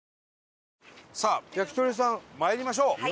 さあ焼き鳥屋さんまいりましょう！